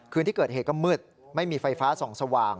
คืนที่เกิดเหตุก็มืดไม่มีไฟฟ้าส่องสว่าง